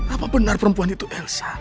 apa benar perempuan itu elsa